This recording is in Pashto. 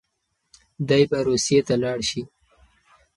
دی به روسيې ته لاړ شي.